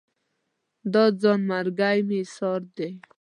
دا ځان مرګي مې ایسار دي